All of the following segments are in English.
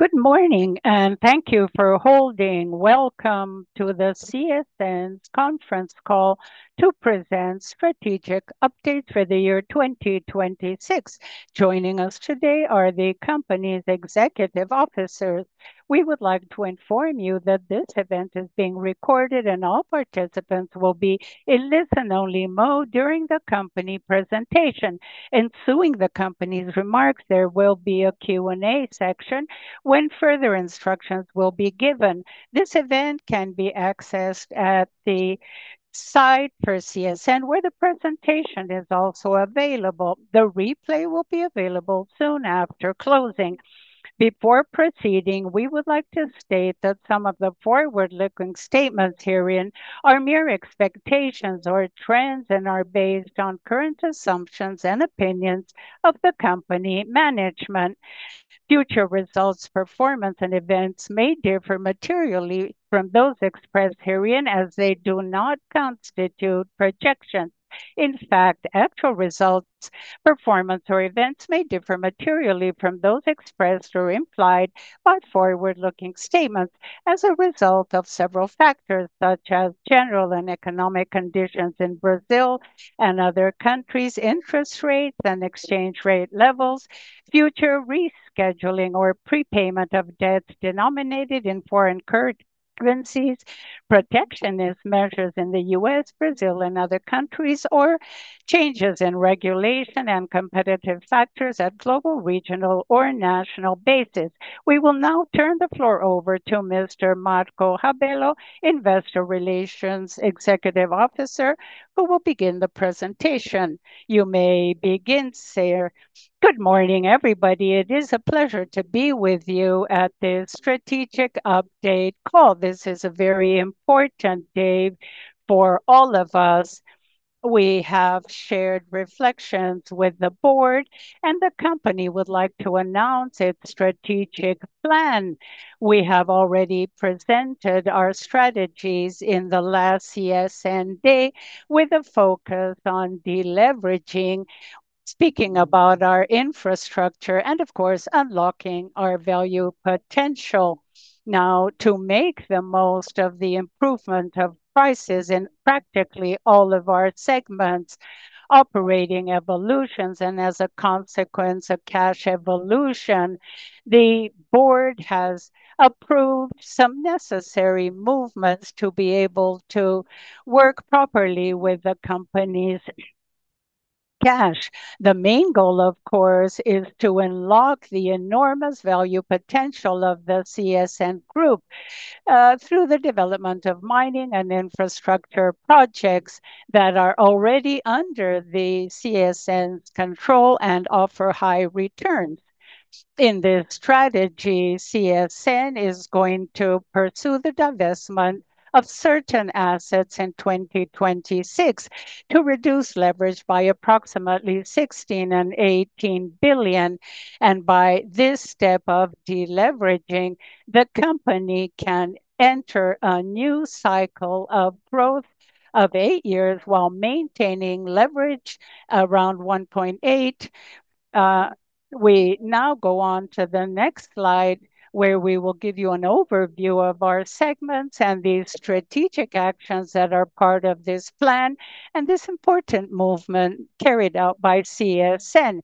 Good morning, and thank you for holding. Welcome to the CSN's conference call to present Strategic Updates for the year 2026. Joining us today are the company's executive officers. We would like to inform you that this event is being recorded, and all participants will be in listen-only mode during the company presentation. Ensuing the company's remarks, there will be a Q&A section when further instructions will be given. This event can be accessed at the site for CSN, where the presentation is also available. The replay will be available soon after closing. Before proceeding, we would like to state that some of the forward-looking statements herein are mere expectations or trends and are based on current assumptions and opinions of the company management. Future results, performance, and events may differ materially from those expressed herein, as they do not constitute projections. In fact, actual results, performance, or events may differ materially from those expressed or implied by forward-looking statements as a result of several factors, such as general and economic conditions in Brazil and other countries, interest rates and exchange rate levels, future rescheduling or prepayment of debts denominated in foreign currencies, protectionist measures in the U.S., Brazil, and other countries, or changes in regulation and competitive factors at global, regional, or national basis. We will now turn the floor over to Mr. Marcelo Ribeiro, Investor Relations Executive Officer, who will begin the presentation. You may begin, sir. Good morning, everybody. It is a pleasure to be with you at this Strategic Update call. This is a very important day for all of us. We have shared reflections with the board, and the company would like to announce its strategic plan. We have already presented our strategies in the last CSN Day, with a focus on deleveraging, speaking about our infrastructure, and of course, unlocking our value potential. Now, to make the most of the improvement of prices in practically all of our segments, operating evolutions, and as a consequence of cash evolution, the board has approved some necessary movements to be able to work properly with the company's cash. The main goal, of course, is to unlock the enormous value potential of the CSN group through the development of mining and infrastructure projects that are already under the CSN's control and offer high returns. In this strategy, CSN is going to pursue the divestment of certain assets in 2026 to reduce leverage by approximately 16 billion and 18 billion. By this step of deleveraging, the company can enter a new cycle of growth of eight years while maintaining leverage around 1.8. We now go on to the next slide, where we will give you an overview of our segments and the strategic actions that are part of this plan and this important movement carried out by CSN.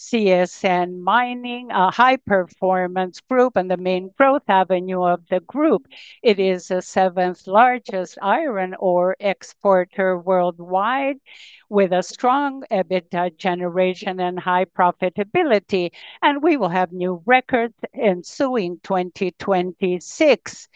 CSN Mining, a high-performance group and the main growth avenue of the group. It is the seventh-largest iron ore exporter worldwide, with a strong EBITDA generation and high profitability, and we will have new records ensuing 2026. It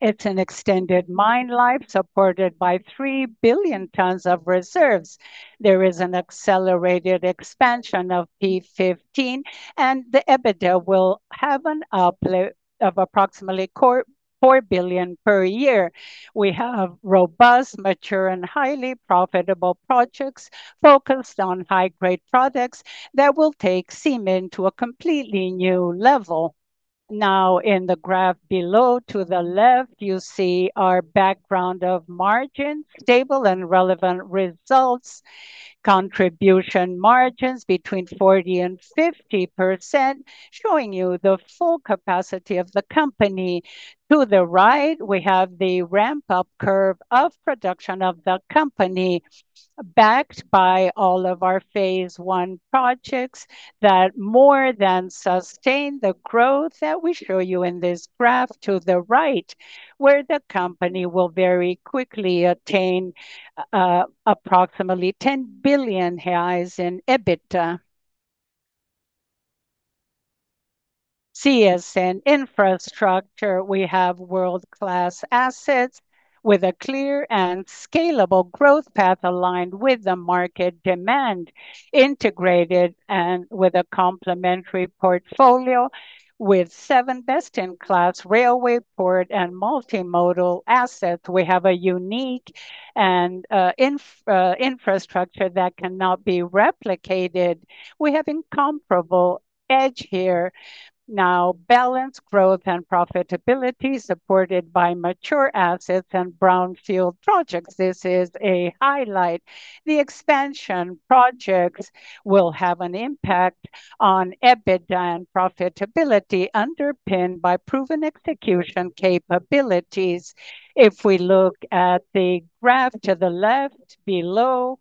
is an extended mine life supported by 3 billion of reserves. There is an accelerated expansion of P15, and the EBITDA will have an uplift of approximately 4 billion per year. We have robust, mature, and highly profitable projects focused on high-grade products that will take CSN to a completely new level. Now, in the graph below to the left, you see our background of margins, stable and relevant results, contribution margins between 40% and 50%, showing you the full capacity of the company. To the right, we have the ramp-up curve of production of the company, backed by all of our phase one projects that more than sustain the growth that we show you in this graph to the right, where the company will very quickly attain approximately BRL 10 billion in EBITDA. CSN Infrastructure, we have world-class assets with a clear and scalable growth path aligned with the market demand, integrated with a complementary portfolio with seven best-in-class railway, port, and multimodal assets. We have a unique infrastructure that cannot be replicated. We have incomparable edge here. Now, balanced growth and profitability supported by mature assets and brownfield projects. This is a highlight. The expansion projects will have an impact on EBITDA and profitability underpinned by proven execution capabilities. If we look at the graph to the left below,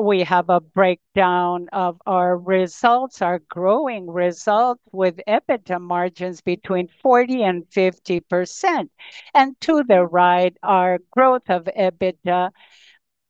we have a breakdown of our results, our growing results with EBITDA margins between 40% and 50%. And to the right, our growth of EBITDA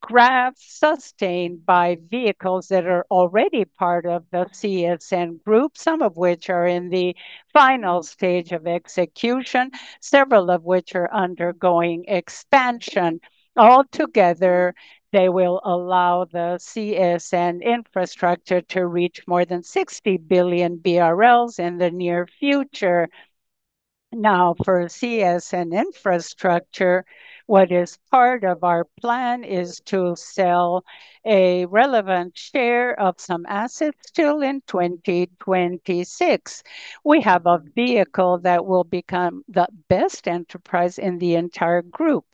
graph sustained by vehicles that are already part of the CSN group, some of which are in the final stage of execution, several of which are undergoing expansion. Altogether, they will allow the CSN Infrastructure to reach more than 60 billion BRL in the near future. Now, for CSN Infrastructure, what is part of our plan is to sell a relevant share of some assets until 2026. We have a vehicle that will become the best enterprise in the entire group.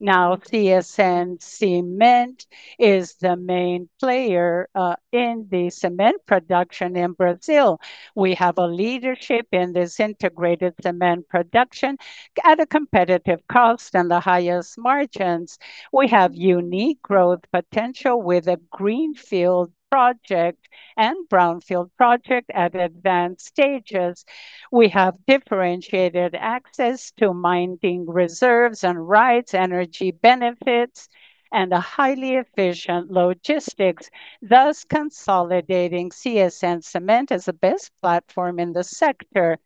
Now, CSN Cement is the main player in the cement production in Brazil. We have a leadership in this integrated cement production at a competitive cost and the highest margins. We have unique growth potential with a greenfield project and brownfield project at advanced stages. We have differentiated access to mining reserves and rights, energy benefits, and a highly efficient logistics, thus consolidating CSN Cement as the best platform in the sector.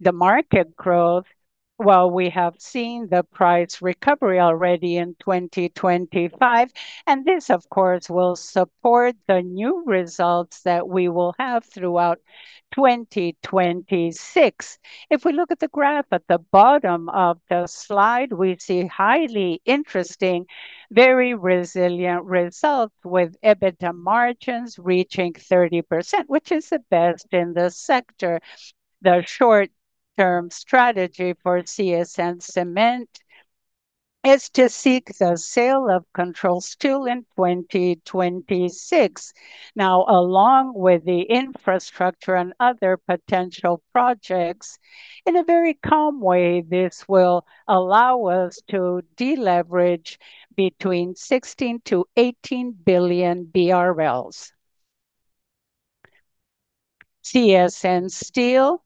The market growth, while we have seen the price recovery already in 2025, and this, of course, will support the new results that we will have throughout 2026. If we look at the graph at the bottom of the slide, we see highly interesting, very resilient results with EBITDA margins reaching 30%, which is the best in the sector. The short-term strategy for CSN Cement is to seek the sale of controls till in 2026. Now, along with the infrastructure and other potential projects, in a very calm way, this will allow us to deleverage between 16 billion and 18 billion BRL. CSN Steel,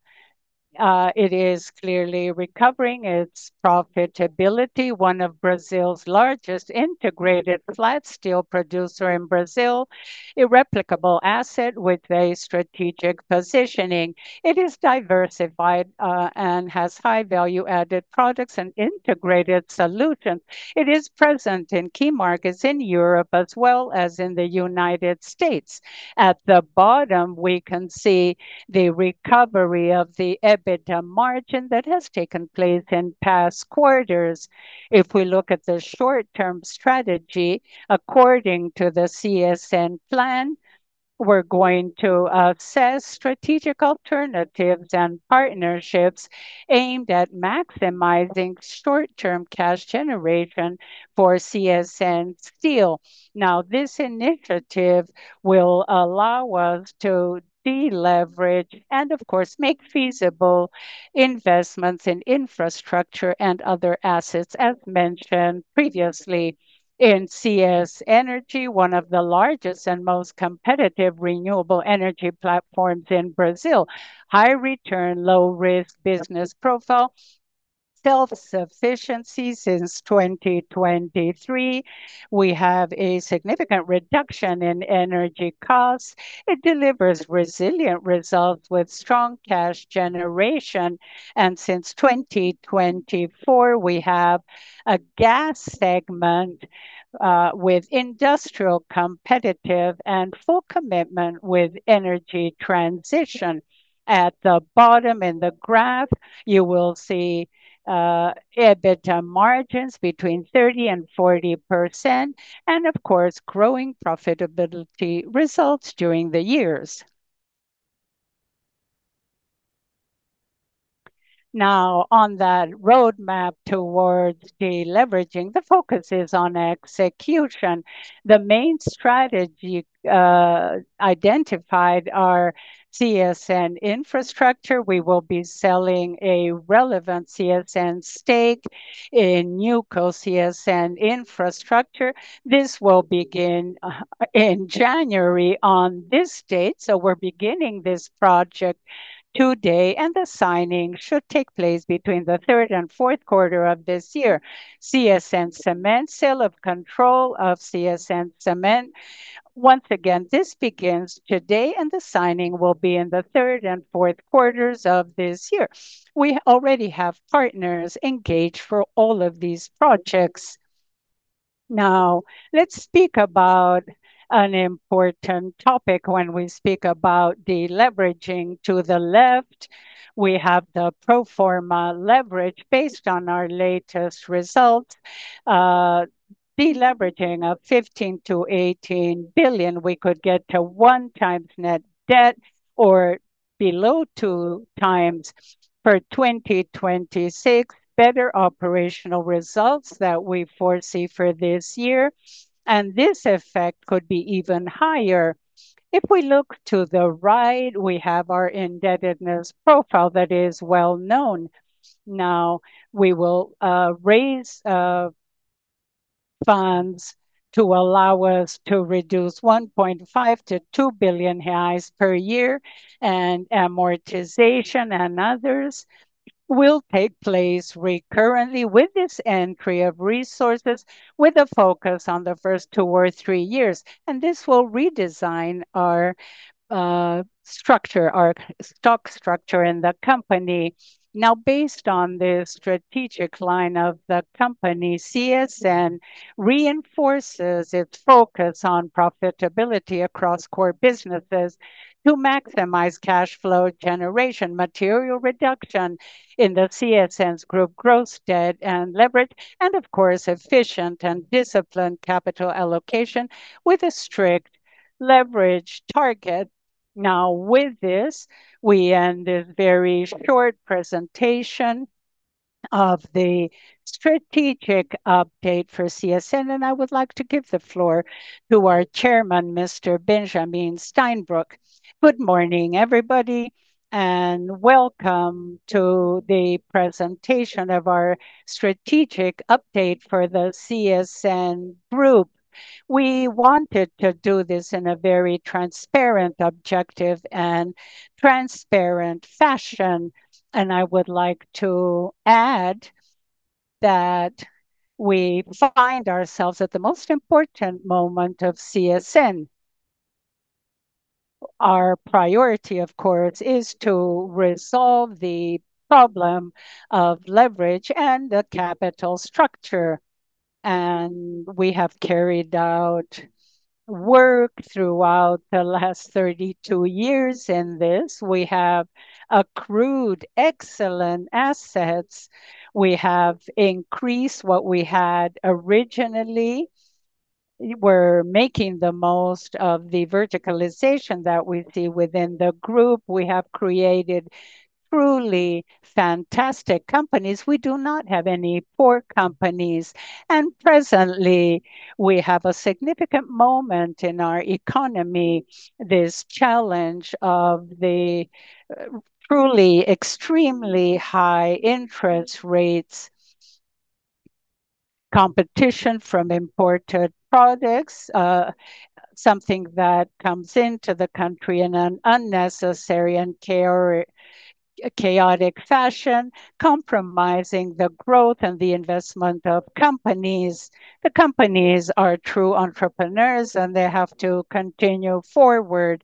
it is clearly recovering its profitability, one of Brazil's largest integrated flat steel producers in Brazil, irreplicable asset with a strategic positioning. It is diversified and has high value-added products and integrated solutions. It is present in key markets in Europe as well as in the United States. At the bottom, we can see the recovery of the EBITDA margin that has taken place in past quarters. If we look at the short-term strategy, according to the CSN plan, we're going to assess strategic alternatives and partnerships aimed at maximizing short-term cash generation for CSN Steel. Now, this initiative will allow us to deleverage and, of course, make feasible investments in infrastructure and other assets, as mentioned previously in CSN Energy, one of the largest and most competitive renewable energy platforms in Brazil. High-return, low-risk business profile, self-sufficiency since 2023. We have a significant reduction in energy costs. It delivers resilient results with strong cash generation. And since 2024, we have a gas segment with industrial competitive and full commitment with energy transition. At the bottom in the graph, you will see EBITDA margins between 30% and 40%, and of course, growing profitability results during the years. Now, on that roadmap towards deleveraging, the focus is on execution. The main strategy identified is CSN Infrastructure. We will be selling a relevant CSN stake in MRS, CSN Infrastructure. This will begin in January on this date. We're beginning this project today, and the signing should take place between the third and fourth quarter of this year. CSN Cement, sale of control of CSN Cement. Once again, this begins today, and the signing will be in the third and fourth quarters of this year. We already have partners engaged for all of these projects. Now, let's speak about an important topic when we speak about deleveraging. To the left, we have the pro forma leverage based on our latest results. Deleveraging of 15 billion-18 billion, we could get to one times net debt or below 2x for 2026, better operational results that we foresee for this year. And this effect could be even higher. If we look to the right, we have our indebtedness profile that is well known. Now, we will raise funds to allow us to reduce 1.5 billion-2 billion reais per year, and amortization and others will take place recurrently with this entry of resources, with a focus on the first two or three years, and this will redesign our structure, our stock structure in the company. Now, based on the strategic line of the company, CSN reinforces its focus on profitability across core businesses to maximize cash flow generation, material reduction in the CSN group growth, debt, and leverage, and of course, efficient and disciplined capital allocation with a strict leverage target. Now, with this, we end this very short presentation of the Strategic Update for CSN, and I would like to give the floor to our chairman, Mr. Benjamin Steinbruch. Good morning, everybody, and welcome to the presentation of our Strategic Update for the CSN Group. We wanted to do this in a very transparent, objective, and transparent fashion, and I would like to add that we find ourselves at the most important moment of CSN. Our priority, of course, is to resolve the problem of leverage and the capital structure, and we have carried out work throughout the last 32 years in this. We have accrued excellent assets. We have increased what we had originally. We're making the most of the verticalization that we see within the group. We have created truly fantastic companies. We do not have any poor companies, and presently, we have a significant moment in our economy, this challenge of the truly extremely high interest rates, competition from imported products, something that comes into the country in an unnecessary and chaotic fashion, compromising the growth and the investment of companies. The companies are true entrepreneurs, and they have to continue forward.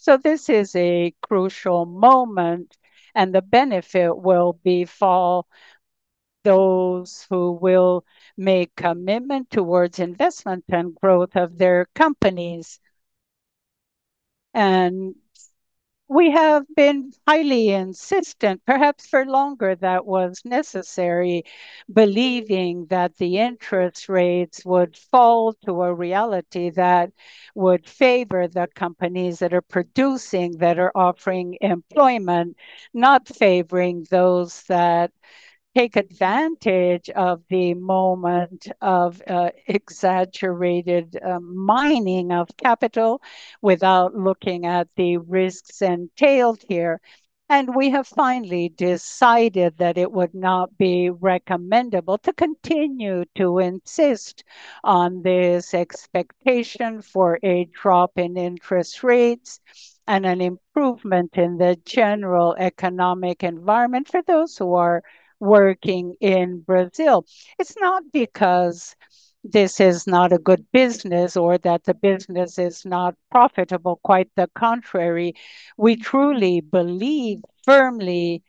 So this is a crucial moment, and the benefit will befall those who will make commitment towards investment and growth of their companies. And we have been highly insistent, perhaps for longer than was necessary, believing that the interest rates would fall to a reality that would favor the companies that are producing, that are offering employment, not favoring those that take advantage of the moment of exaggerated mining of capital without looking at the risks entailed here. And we have finally decided that it would not be recommendable to continue to insist on this expectation for a drop in interest rates and an improvement in the general economic environment for those who are working in Brazil. It's not because this is not a good business or that the business is not profitable. Quite the contrary. We truly believe firmly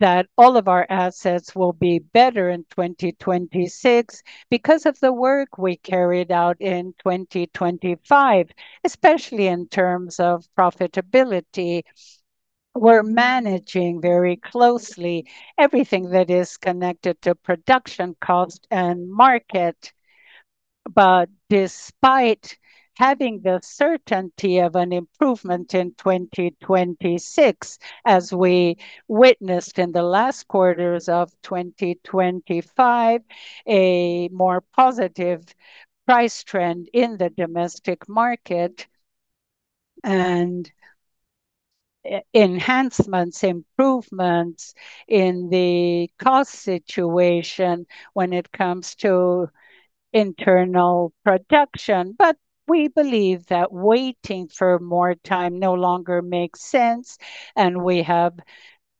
that all of our assets will be better in 2026 because of the work we carried out in 2025, especially in terms of profitability. We're managing very closely everything that is connected to production cost and market, but despite having the certainty of an improvement in 2026, as we witnessed in the last quarters of 2025, a more positive price trend in the domestic market and enhancements, improvements in the cost situation when it comes to internal production, but we believe that waiting for more time no longer makes sense, and we have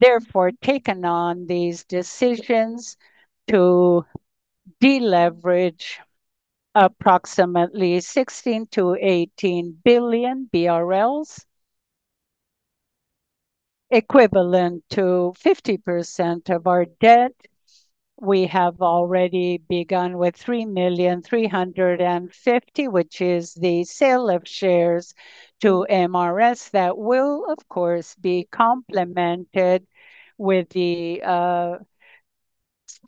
therefore taken on these decisions to deleverage approximately BRL 16 billion-BRL 18 billion, equivalent to 50% of our debt. We have already begun with 3.35 billion, which is the sale of shares to MRS that will, of course, be complemented with the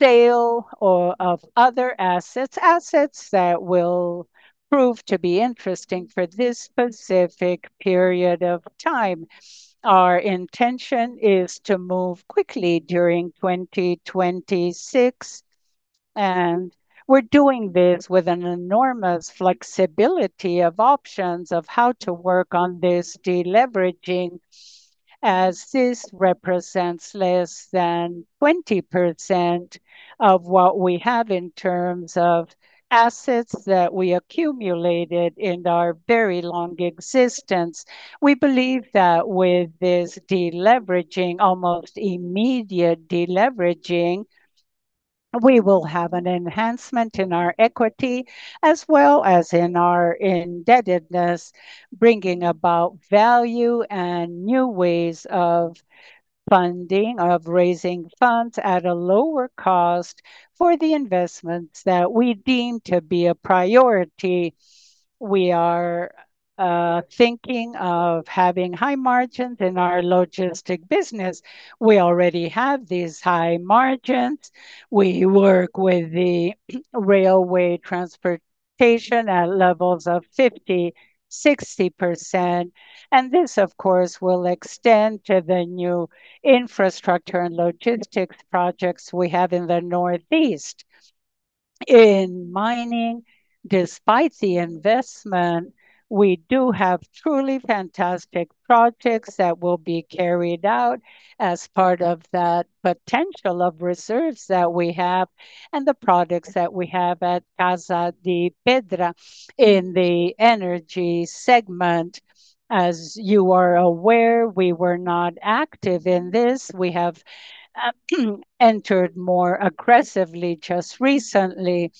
sale of other assets. Assets that will prove to be interesting for this specific period of time. Our intention is to move quickly during 2026, and we're doing this with an enormous flexibility of options of how to work on this deleveraging, as this represents less than 20% of what we have in terms of assets that we accumulated in our very long existence. We believe that with this deleveraging, almost immediate deleveraging, we will have an enhancement in our equity as well as in our indebtedness, bringing about value and new ways of funding, of raising funds at a lower cost for the investments that we deem to be a priority. We are thinking of having high margins in our logistics business. We already have these high margins. We work with the railway transportation at levels of 50%-60%. This, of course, will extend to the new infrastructure and logistics projects we have in the Northeast. In mining, despite the investment, we do have truly fantastic projects that will be carried out as part of that potential of reserves that we have and the products that we have at Casa de Pedra in the energy segment. As you are aware, we were not active in this. We have entered more aggressively just recently.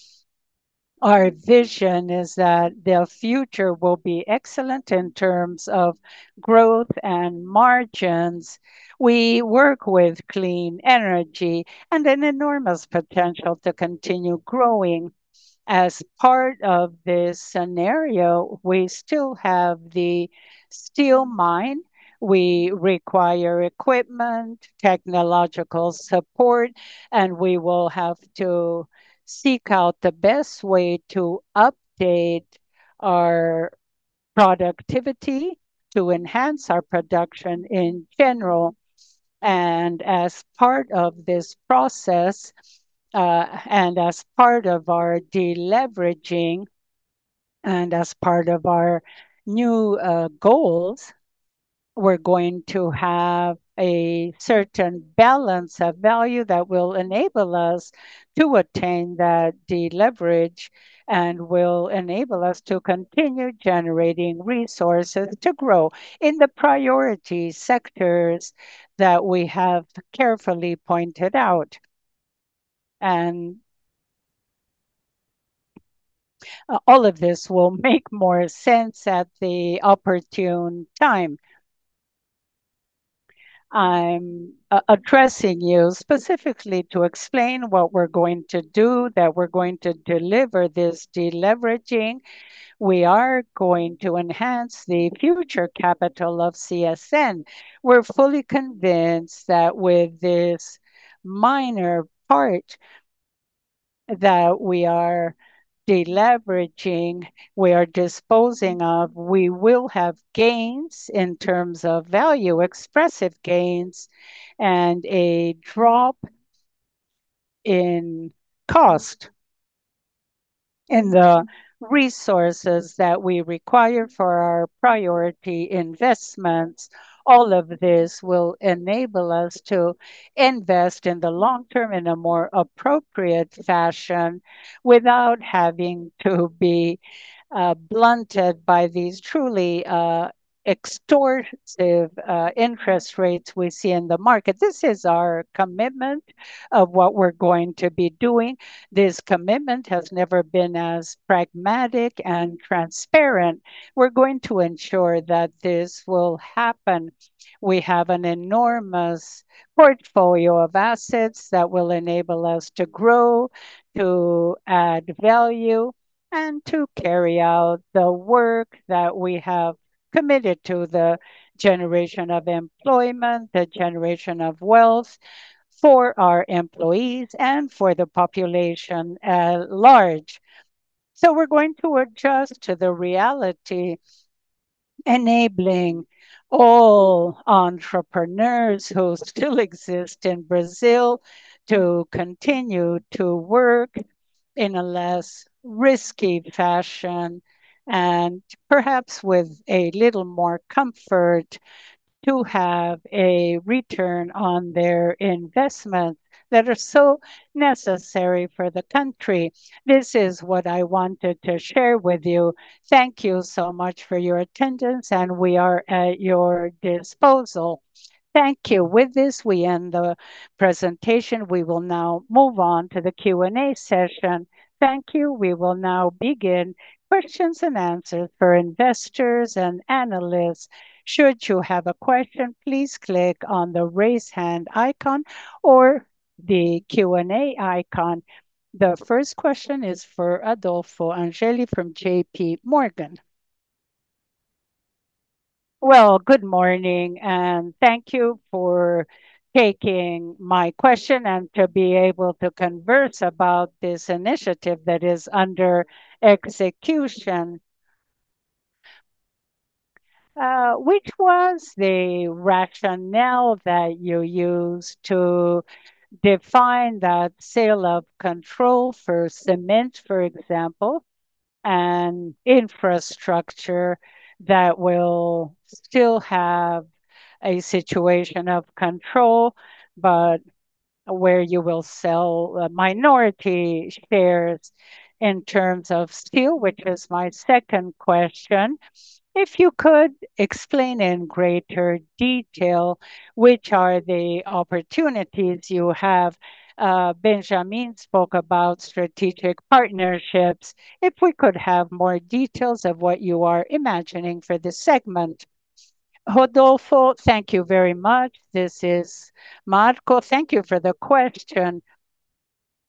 Our vision is that the future will be excellent in terms of growth and margins. We work with clean energy and an enormous potential to continue growing. As part of this scenario, we still have the steel mine. We require equipment, technological support, and we will have to seek out the best way to update our productivity to enhance our production in general. As part of this process, and as part of our deleveraging, and as part of our new goals, we're going to have a certain balance of value that will enable us to attain that deleverage and will enable us to continue generating resources to grow in the priority sectors that we have carefully pointed out. All of this will make more sense at the opportune time. I'm addressing you specifically to explain what we're going to do, that we're going to deliver this deleveraging. We are going to enhance the future capital of CSN. We're fully convinced that with this minor part that we are deleveraging, we are disposing of, we will have gains in terms of value, expressive gains, and a drop in cost in the resources that we require for our priority investments. All of this will enable us to invest in the long term in a more appropriate fashion without having to be blunted by these truly extortive interest rates we see in the market. This is our commitment of what we're going to be doing. This commitment has never been as pragmatic and transparent. We're going to ensure that this will happen. We have an enormous portfolio of assets that will enable us to grow, to add value, and to carry out the work that we have committed to, the generation of employment, the generation of wealth for our employees and for the population at large. So we're going to adjust to the reality, enabling all entrepreneurs who still exist in Brazil to continue to work in a less risky fashion and perhaps with a little more comfort to have a return on their investments that are so necessary for the country. This is what I wanted to share with you. Thank you so much for your attendance, and we are at your disposal. Thank you. With this, we end the presentation. We will now move on to the Q&A session. Thank you. We will now begin questions and answers for investors and analysts. Should you have a question, please click on the Raise Hand icon or the Q&A icon. The first question is for Rodolfo Angele from J.P. Morgan. Well, good morning, and thank you for taking my question and to be able to converse about this initiative that is under execution. Which was the rationale that you used to define that sale of control for cement, for example, and infrastructure that will still have a situation of control, but where you will sell minority shares in terms of steel, which is my second question? If you could explain in greater detail which are the opportunities you have. Benjamin spoke about strategic partnerships. If we could have more details of what you are imagining for the segment. Rodolfo, thank you very much. This is Marcelo. Thank you for the question.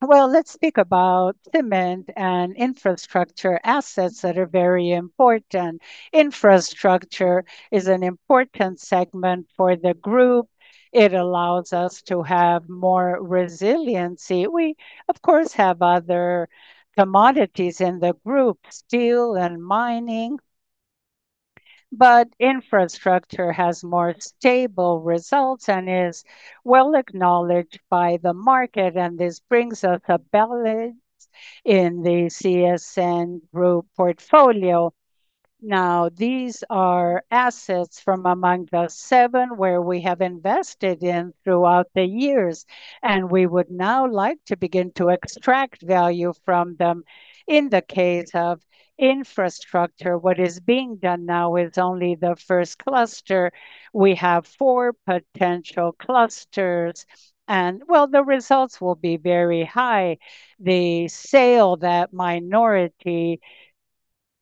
Well, let's speak about cement and infrastructure assets that are very important. Infrastructure is an important segment for the group. It allows us to have more resiliency. We, of course, have other commodities in the group, steel and mining, but infrastructure has more stable results and is well acknowledged by the market. This brings us a balance in the CSN group portfolio. Now, these are assets from among the seven where we have invested in throughout the years, and we would now like to begin to extract value from them. In the case of infrastructure, what is being done now is only the first cluster. We have four potential clusters, and well, the results will be very high. The sale, that minority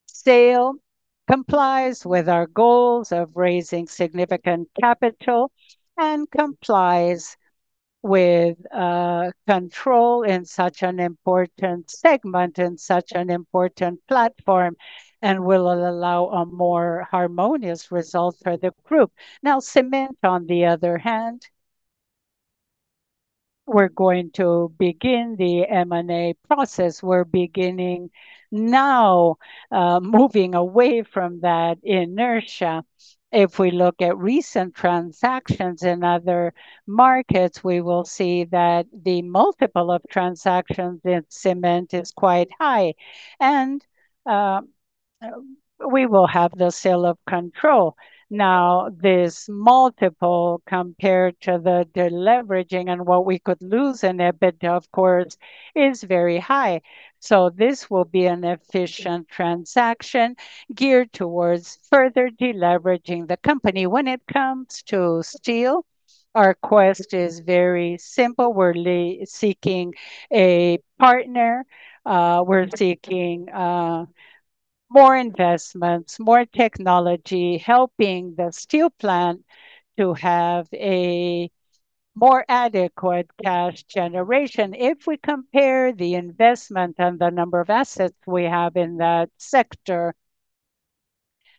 sale, complies with our goals of raising significant capital and complies with control in such an important segment, in such an important platform, and will allow a more harmonious result for the group. Now, cement, on the other hand, we're going to begin the M&A process. We're beginning now, moving away from that inertia. If we look at recent transactions in other markets, we will see that the multiple of transactions in cement is quite high, and we will have the sale of control. Now, this multiple compared to the deleveraging and what we could lose in it, of course, is very high. So this will be an efficient transaction geared towards further deleveraging the company. When it comes to steel, our quest is very simple. We're seeking a partner. We're seeking more investments, more technology, helping the steel plant to have a more adequate cash generation. If we compare the investment and the number of assets we have in that sector,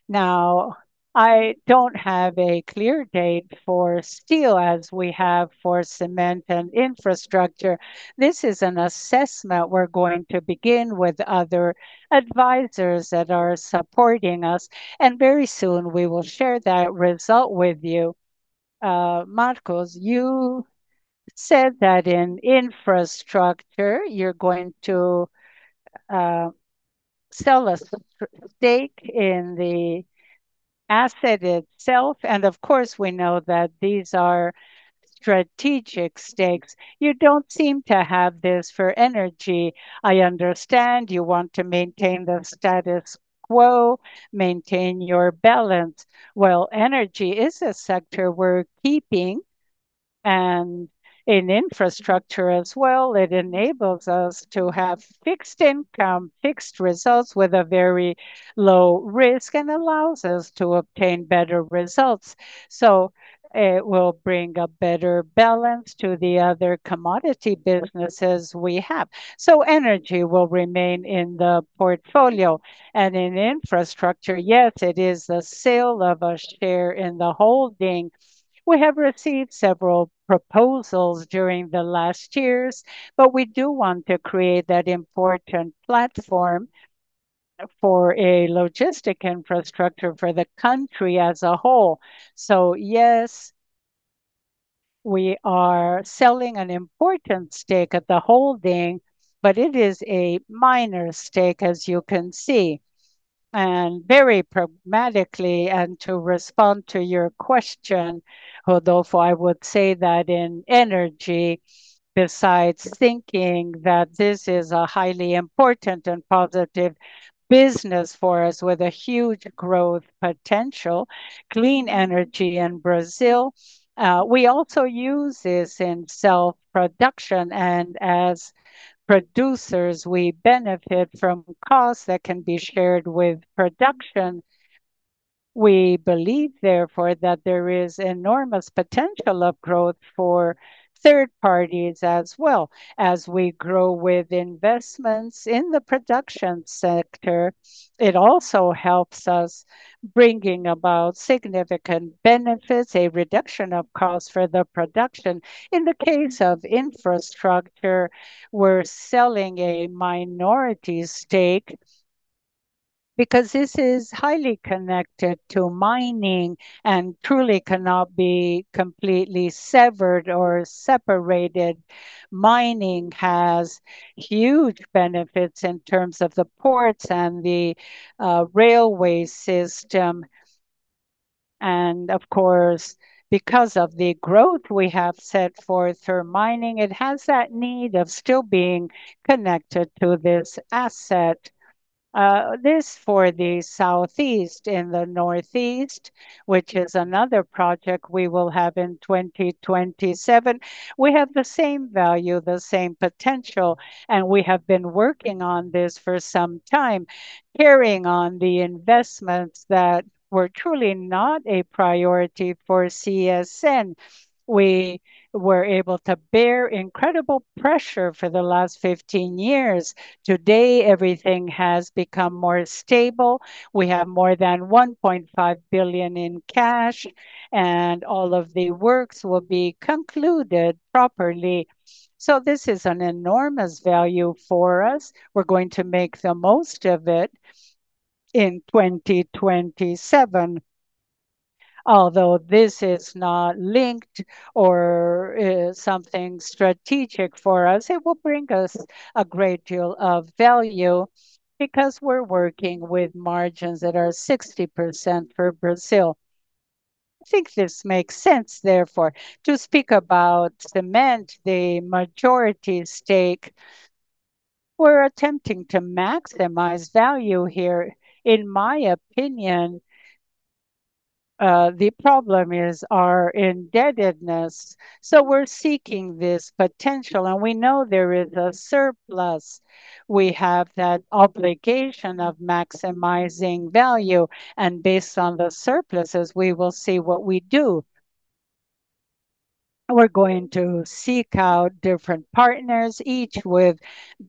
now, I don't have a clear data for steel as we have for cement and infrastructure. This is an assessment we're going to begin with other advisors that are supporting us, and very soon we will share that result with you. Marcos, you said that in infrastructure, you're going to sell a stake in the asset itself, and of course, we know that these are strategic stakes. You don't seem to have this for energy. I understand you want to maintain the status quo, maintain your balance. Energy is a sector we're keeping, and in infrastructure as well, it enables us to have fixed income, fixed results with a very low risk, and allows us to obtain better results. It will bring a better balance to the other commodity businesses we have. Energy will remain in the portfolio. In infrastructure, yes, it is the sale of a share in the holding. We have received several proposals during the last years, but we do want to create that important platform for a logistics infrastructure for the country as a whole. So yes, we are selling an important stake at the holding, but it is a minor stake, as you can see. And very pragmatically, and to respond to your question, Rodolfo, I would say that in energy, besides thinking that this is a highly important and positive business for us with a huge growth potential, clean energy in Brazil, we also use this in self-production. And as producers, we benefit from costs that can be shared with production. We believe, therefore, that there is enormous potential of growth for third parties as well. As we grow with investments in the production sector, it also helps us bring about significant benefits, a reduction of costs for the production. In the case of infrastructure, we're selling a minority stake because this is highly connected to mining and truly cannot be completely severed or separated. Mining has huge benefits in terms of the ports and the railway system. And of course, because of the growth we have set forth for mining, it has that need of still being connected to this asset. This for the Southeast in the Northeast, which is another project we will have in 2027. We have the same value, the same potential, and we have been working on this for some time, carrying on the investments that were truly not a priority for CSN. We were able to bear incredible pressure for the last 15 years. Today, everything has become more stable. We have more than 1.5 billion in cash, and all of the works will be concluded properly. So this is an enormous value for us. We're going to make the most of it in 2027. Although this is not linked or something strategic for us, it will bring us a great deal of value because we're working with margins that are 60% for Brazil. I think this makes sense, therefore, to speak about cement, the majority stake. We're attempting to maximize value here. In my opinion, the problem is our indebtedness. So we're seeking this potential, and we know there is a surplus. We have that obligation of maximizing value, and based on the surpluses, we will see what we do. We're going to seek out different partners, each with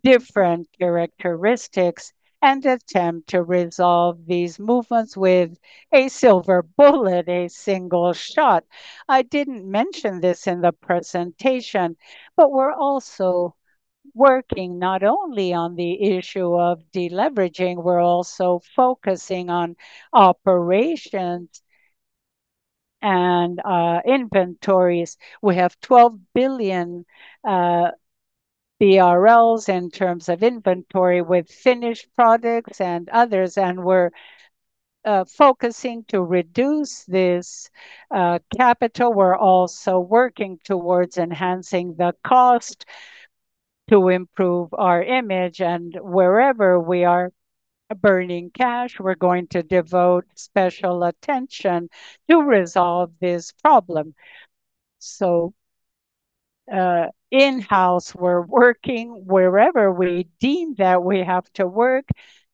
different characteristics, and attempt to resolve these movements with a silver bullet, a single shot. I didn't mention this in the presentation, but we're also working not only on the issue of deleveraging. We're also focusing on operations and inventories. We have BRL 12 billion in terms of inventory with finished products and others, and we're focusing to reduce this capital. We're also working towards enhancing the cost to improve our image, and wherever we are burning cash, we're going to devote special attention to resolve this problem. In-house, we're working wherever we deem that we have to work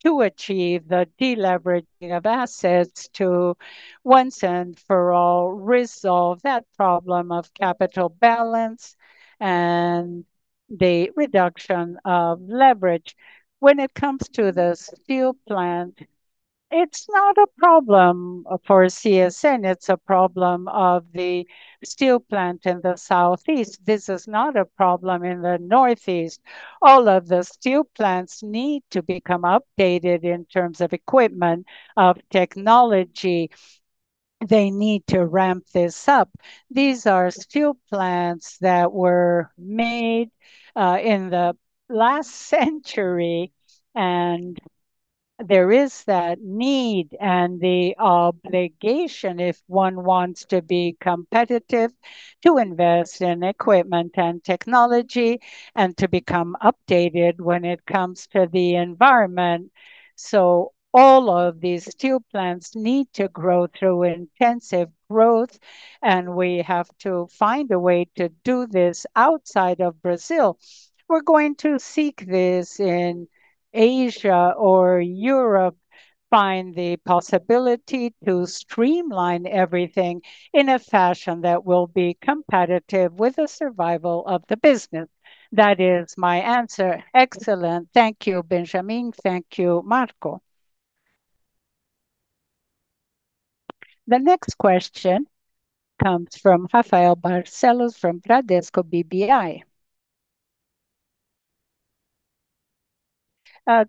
to achieve the deleveraging of assets to once and for all resolve that problem of capital balance and the reduction of leverage. When it comes to the steel plant, it's not a problem for CSN. It's a problem of the steel plant in the Southeast. This is not a problem in the Northeast. All of the steel plants need to become updated in terms of equipment, of technology. They need to ramp this up. These are steel plants that were made in the last century, and there is that need and the obligation, if one wants to be competitive, to invest in equipment and technology and to become updated when it comes to the environment. So all of these steel plants need to grow through intensive growth, and we have to find a way to do this outside of Brazil. We're going to seek this in Asia or Europe, find the possibility to streamline everything in a fashion that will be competitive with the survival of the business. That is my answer. Excellent. Thank you, Benjamin. Thank you, Marcelo. The next question comes from Rafael Barcellos from Bradesco BBI.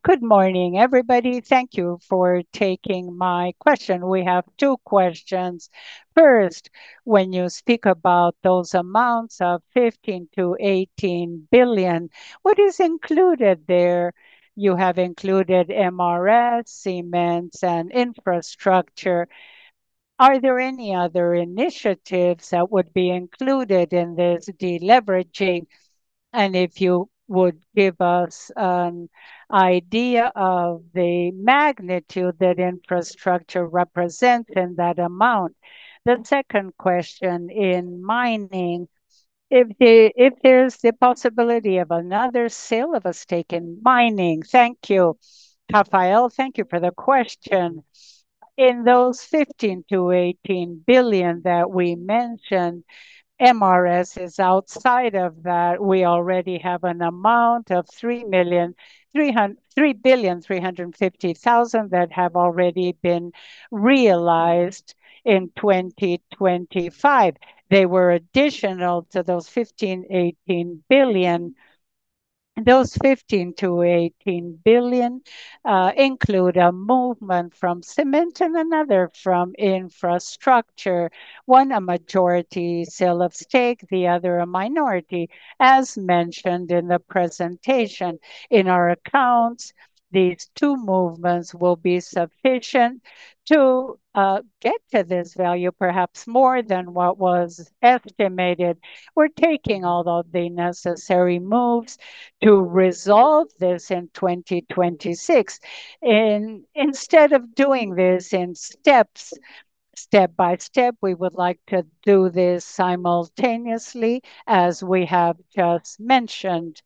Good morning, everybody. Thank you for taking my question. We have two questions. First, when you speak about those amounts of 15 billion-18 billion, what is included there? You have included MRS, cements, and infrastructure. Are there any other initiatives that would be included in this deleveraging? And if you would give us an idea of the magnitude that infrastructure represents in that amount. The second question in mining, if there's the possibility of another sale of a stake in mining. Thank you. Rafael. Thank you for the question. In those 15 billion-18 billion that we mentioned, MRS is outside of that. We already have an amount of 3 million-- 3.35 billion that have already been realized in 2025. They were additional to those 15 billion-18 billion. Those 15 billion-18 billion include a movement from cement and another from infrastructure. One, a majority sale of stake, the other a minority, as mentioned in the presentation. In our accounts, these two movements will be sufficient to get to this value, perhaps more than what was estimated. We're taking all of the necessary moves to resolve this in 2026. Instead of doing this in steps, step by step, we would like to do this simultaneously, as we have just mentioned.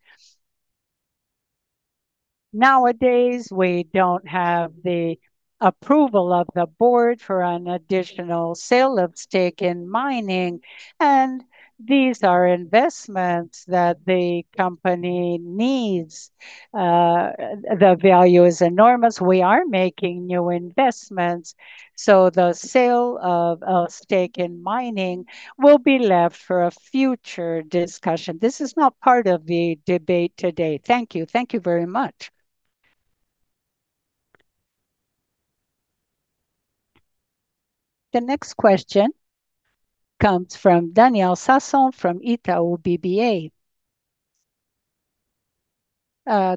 Nowadays, we don't have the approval of the board for an additional sale of stake in mining, and these are investments that the company needs. The value is enormous. We are making new investments, so the sale of a stake in mining will be left for a future discussion. This is not part of the debate today. Thank you. Thank you very much. The next question comes from Daniel Sasson from Itaú BBA.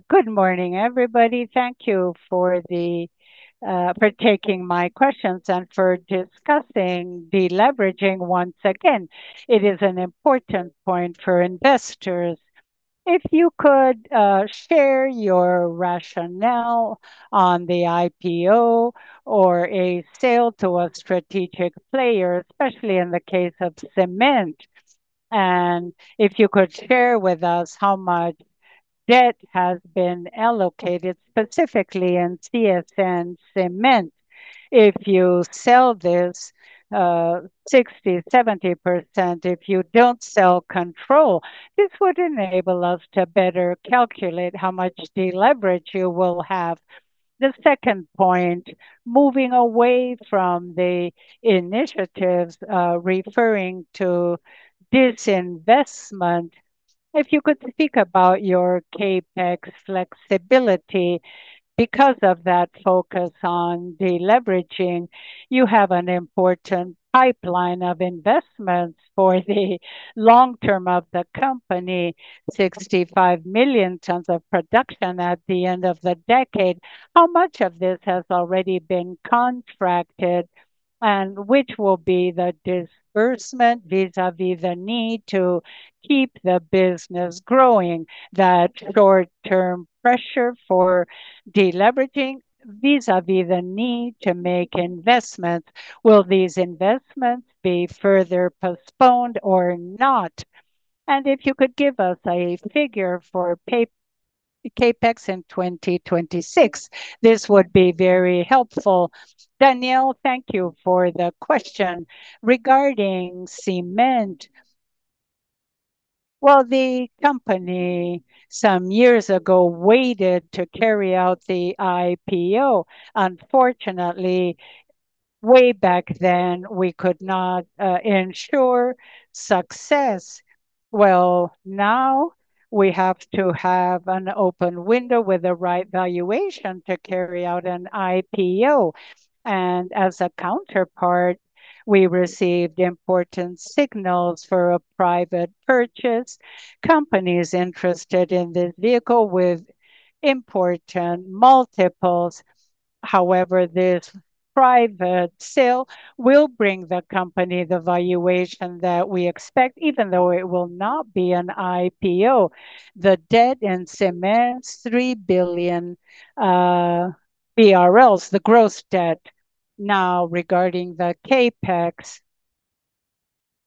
Good morning, everybody. Thank you for taking my questions and for discussing deleveraging once again. It is an important point for investors. If you could share your rationale on the IPO or a sale to a strategic player, especially in the case of cement, and if you could share with us how much debt has been allocated specifically in CSN Cement? If you sell this 60%-70%, if you don't sell control, this would enable us to better calculate how much deleverage you will have. The second point, moving away from the initiatives referring to disinvestment, if you could speak about your CapEx flexibility because of that focus on deleveraging. You have an important pipeline of investments for the long term of the company, 65 million tons of production at the end of the decade. How much of this has already been contracted and which will be the disbursement vis-à-vis the need to keep the business growing? That short-term pressure for deleveraging vis-à-vis the need to make investments: will these investments be further postponed or not? And if you could give us a figure for CapEx in 2026, this would be very helpful. Daniel, thank you for the question. Regarding cement, well, the company some years ago waited to carry out the IPO. Unfortunately, way back then, we could not ensure success. Well, now we have to have an open window with the right valuation to carry out an IPO. And as a counterpart, we received important signals for a private purchase. Companies interested in this vehicle with important multiples. However, this private sale will bring the company the valuation that we expect, even though it will not be an IPO. The debt in cement: 3 billion BRL, the gross debt. Now, regarding the CapEx,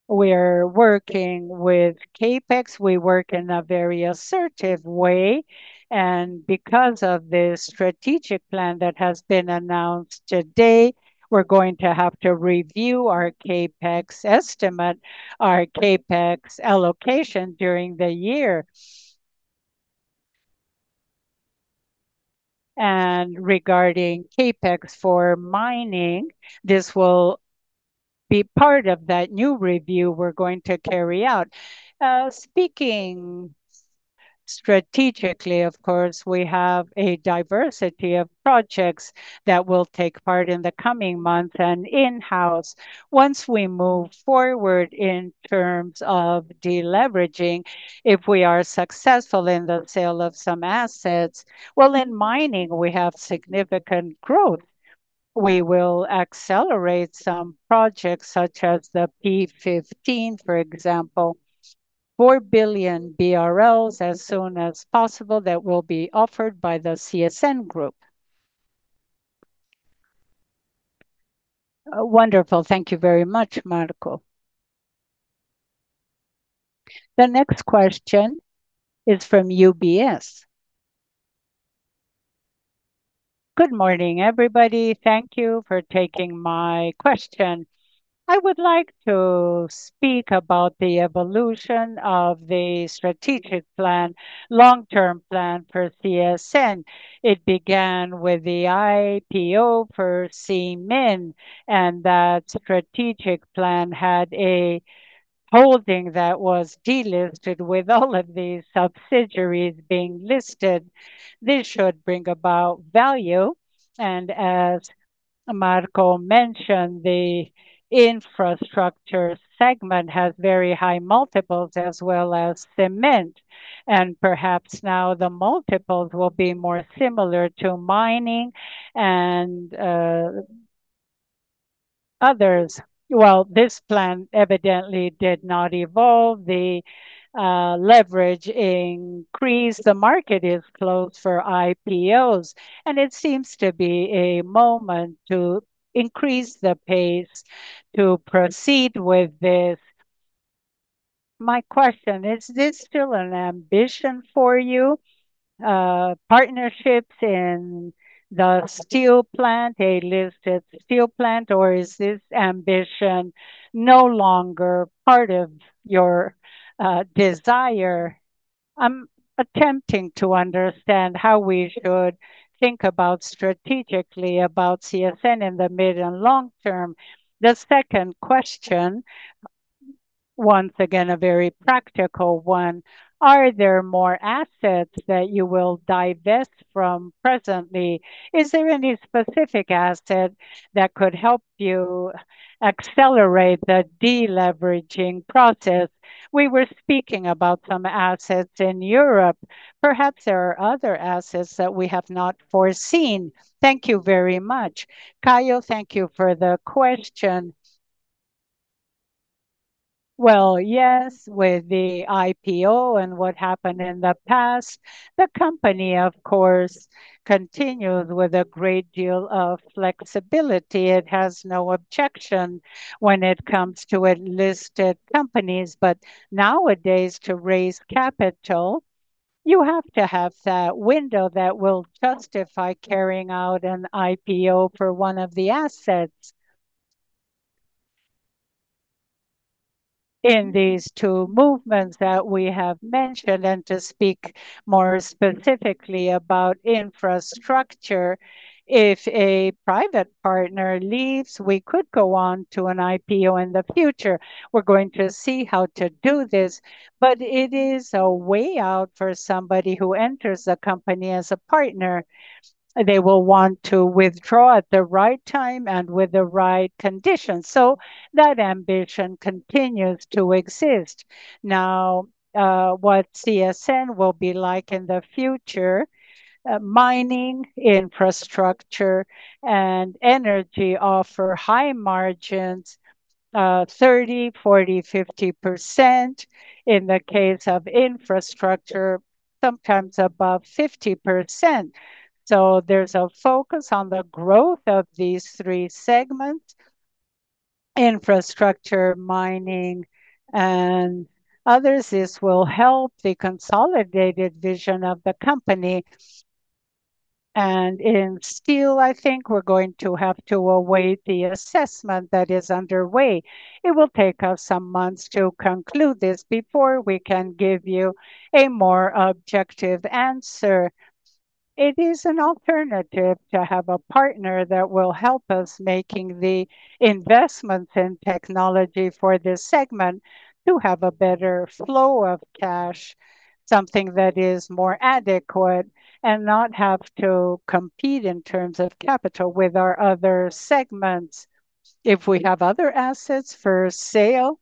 we're working with CapEx. We work in a very assertive way. And because of this strategic plan that has been announced today, we're going to have to review our CapEx estimate, our CapEx allocation during the year. And regarding CapEx for mining, this will be part of that new review we're going to carry out. Speaking strategically, of course, we have a diversity of projects that will take part in the coming months and in-house. Once we move forward in terms of deleveraging, if we are successful in the sale of some assets, well, in mining, we have significant growth. We will accelerate some projects such as the P15, for example, 4 billion BRL as soon as possible that will be offered by the CSN group. Wonderful. Thank you very much, Marcelo. The next question is from UBS. Good morning, everybody. Thank you for taking my question. I would like to speak about the evolution of the strategic plan, long-term plan for CSN. It began with the IPO for cement, and that strategic plan had a holding that was delisted with all of these subsidiaries being listed. This should bring about value, and as Marco mentioned, the infrastructure segment has very high multiples as well as cement, and perhaps now the multiples will be more similar to mining and others, well, this plan evidently did not evolve. The leverage increased. The market is closed for IPOs, and it seems to be a moment to increase the pace to proceed with this. My question is, is this still an ambition for you, partnerships in the steel plant, a listed steel plant, or is this ambition no longer part of your desire? I'm attempting to understand how we should think strategically about CSN in the mid and long term. The second question, once again, a very practical one. Are there more assets that you will divest from presently? Is there any specific asset that could help you accelerate the deleveraging process? We were speaking about some assets in Europe. Perhaps there are other assets that we have not foreseen. Thank you very much. Caio, thank you for the question. Well, yes, with the IPO and what happened in the past, the company, of course, continues with a great deal of flexibility. It has no objection when it comes to listed companies. But nowadays, to raise capital, you have to have that window that will justify carrying out an IPO for one of the assets. In these two movements that we have mentioned, and to speak more specifically about infrastructure, if a private partner leaves, we could go on to an IPO in the future. We're going to see how to do this. But it is a way out for somebody who enters the company as a partner. They will want to withdraw at the right time and with the right conditions. So that ambition continues to exist. Now, what CSN will be like in the future, mining, infrastructure, and energy offer high margins, 30%, 40%, 50%. In the case of infrastructure, sometimes above 50%. So there's a focus on the growth of these three segments, infrastructure, mining, and others. This will help the consolidated vision of the company. And in steel, I think we're going to have to await the assessment that is underway. It will take us some months to conclude this before we can give you a more objective answer. It is an alternative to have a partner that will help us making the investments in technology for this segment to have a better flow of cash, something that is more adequate and not have to compete in terms of capital with our other segments. If we have other assets for sale,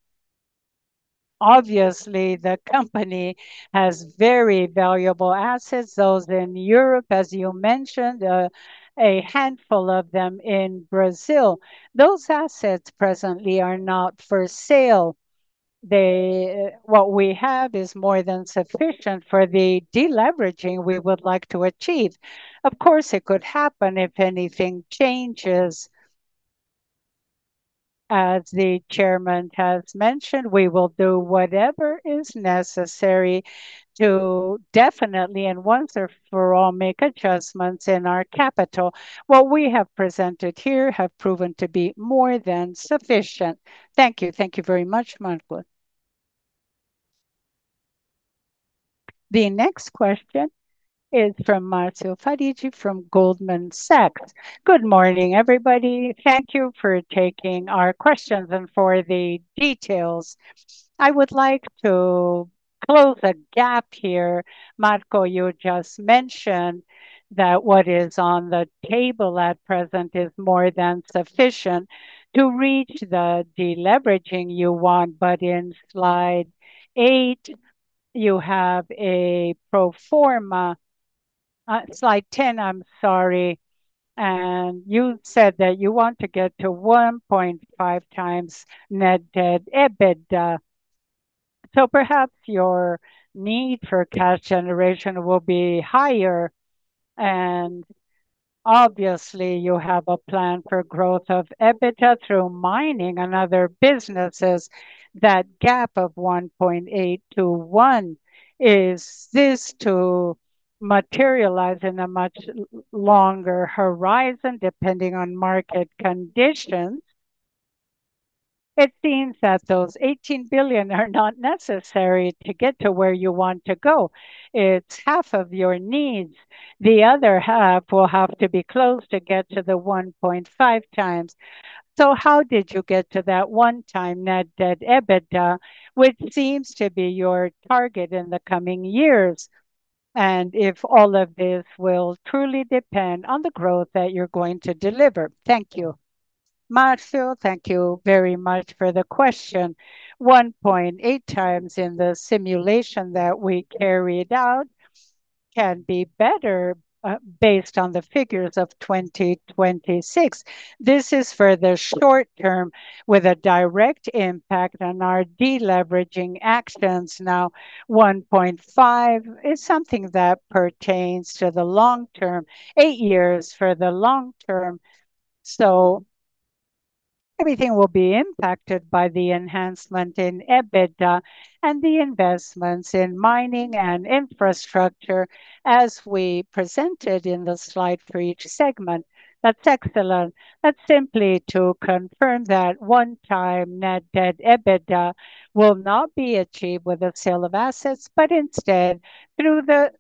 obviously, the company has very valuable assets, those in Europe, as you mentioned, a handful of them in Brazil. Those assets presently are not for sale. What we have is more than sufficient for the deleveraging we would like to achieve. Of course, it could happen if anything changes. As the chairman has mentioned, we will do whatever is necessary to definitely and once and for all make adjustments in our capital. What we have presented here has proven to be more than sufficient. Thank you. Thank you very much, Marcelo. The next question is from Marcio Farid from Goldman Sachs. Good morning, everybody. Thank you for taking our questions and for the details. I would like to close a gap here. Marco, you just mentioned that what is on the table at present is more than sufficient to reach the deleveraging you want. But in Slide 8, you have a pro forma, Slide 10, I'm sorry. And you said that you want to get to 1.5x net debt EBITDA. So perhaps your need for cash generation will be higher. And obviously, you have a plan for growth of EBITDA through mining and other businesses. That gap of 1.8-1, is this to materialize in a much longer horizon depending on market conditions? It seems that those 18 billion are not necessary to get to where you want to go. It's half of your needs. The other half will have to be closed to get to the 1.5x. So how did you get to that one times net debt to EBITDA, which seems to be your target in the coming years? And if all of this will truly depend on the growth that you're going to deliver. Thank you. Marcel, thank you very much for the question. 1.8x in the simulation that we carried out can be better based on the figures of 2026. This is for the short term with a direct impact on our deleveraging actions. Now, 1.5 is something that pertains to the long term, eight years for the long term. So everything will be impacted by the enhancement in EBITDA and the investments in mining and infrastructure as we presented in the slide for each segment. That's excellent. That's simply to confirm that 1x net debt to EBITDA will not be achieved with the sale of assets, but instead through the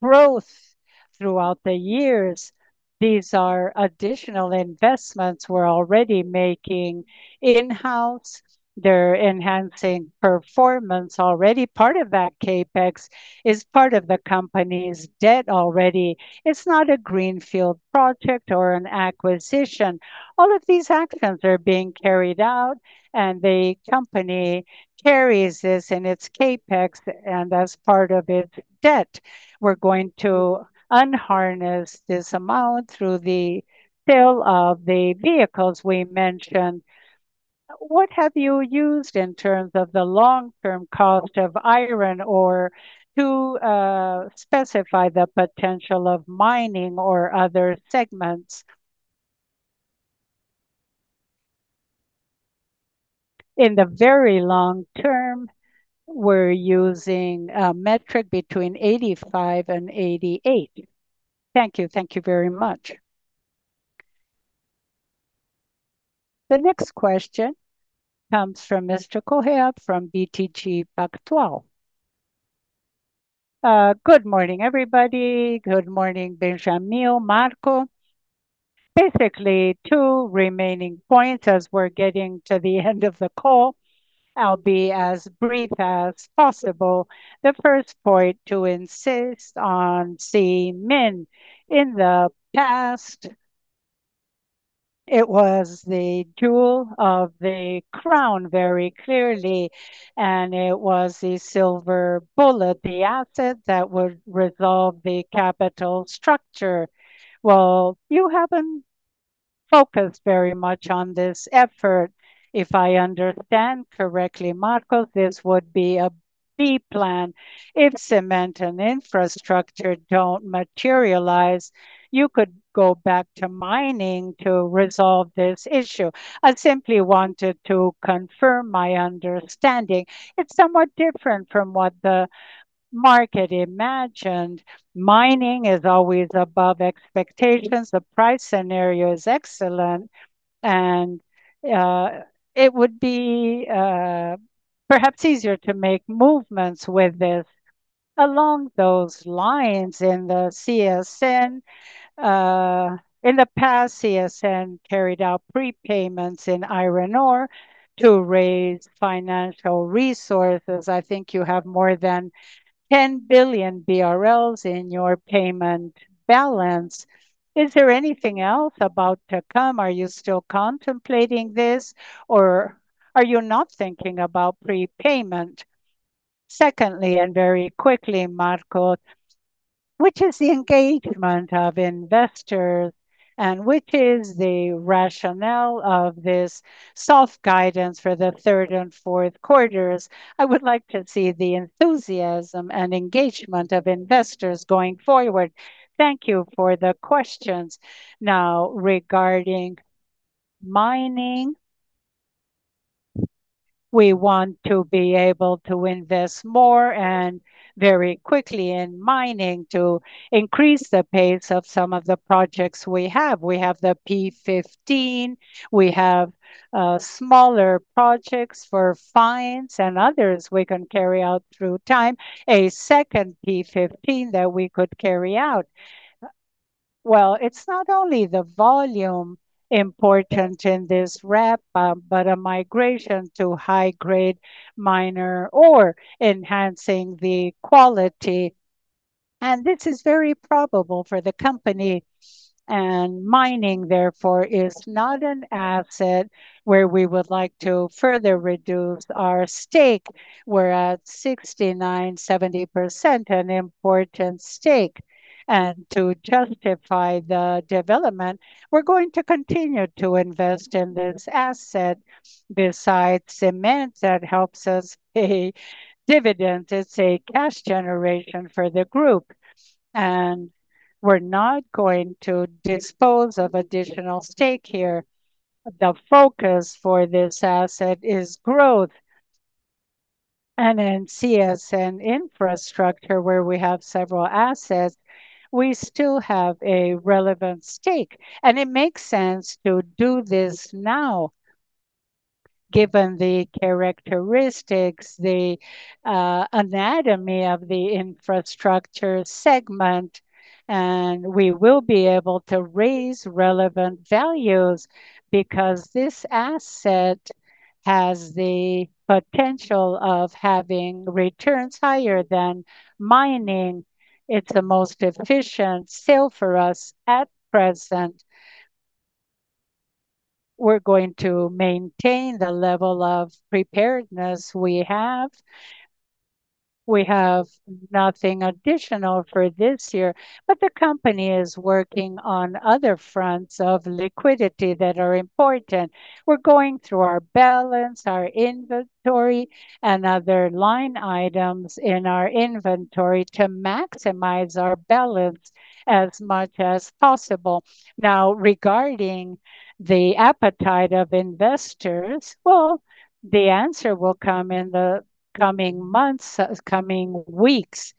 growth throughout the years. These are additional investments we're already making in-house. They're enhancing performance already. Part of that CapEx is part of the company's debt already. It's not a greenfield project or an acquisition. All of these actions are being carried out, and the company carries this in its CapEx and as part of its debt. We're going to unleash this amount through the sale of the vehicles we mentioned. What have you used in terms of the long-term cost of iron ore to specify the potential of mining or other segments? In the very long term, we're using a metric between 85 and 88. Thank you. Thank you very much. The next question comes from Mr. Correa from BTG Pactual. Good morning, everybody. Good morning, Benjamin, Marcelo. Basically, two remaining points as we're getting to the end of the call. I'll be as brief as possible. The first point to insist on cement. In the past, it was the jewel of the crown very clearly, and it was the silver bullet, the asset that would resolve the capital structure. Well, you haven't focused very much on this effort. If I understand correctly, Marcelo, this would be a B plan. If cement and infrastructure don't materialize, you could go back to mining to resolve this issue. I simply wanted to confirm my understanding. It's somewhat different from what the market imagined. Mining is always above expectations. The price scenario is excellent. It would be perhaps easier to make movements with this. Along those lines in the CSN, in the past, CSN carried out prepayments in iron ore to raise financial resources. I think you have more than 10 billion BRL in your payment balance. Is there anything else about to come? Are you still contemplating this, or are you not thinking about prepayment? Secondly, and very quickly, Marcelo, which is the engagement of investors and which is the rationale of this soft guidance for the third and fourth quarters? I would like to see the enthusiasm and engagement of investors going forward. Thank you for the questions. Now, regarding mining, we want to be able to invest more and very quickly in mining to increase the pace of some of the projects we have. We have the P15. We have smaller projects for fines and others we can carry out through time. A second P15 that we could carry out. It's not only the volume important in this ramp-up, but a migration to high-grade mineral or enhancing the quality, and this is very probable for the company, and mining, therefore, is not an asset where we would like to further reduce our stake, where at 69%-70%, an important stake, and to justify the development, we're going to continue to invest in this asset. Besides cement, that helps us pay dividends. It's a cash generation for the group, and we're not going to dispose of additional stake here. The focus for this asset is growth, and in CSN Infrastructure, where we have several assets, we still have a relevant stake, and it makes sense to do this now, given the characteristics, the anatomy of the infrastructure segment. We will be able to raise relevant values because this asset has the potential of having returns higher than mining. It's the most efficient sale for us at present. We're going to maintain the level of preparedness we have. We have nothing additional for this year. The company is working on other fronts of liquidity that are important. We're going through our balance, our inventory, and other line items in our inventory to maximize our balance as much as possible. Now, regarding the appetite of investors, well, the answer will come in the coming months, coming weeks.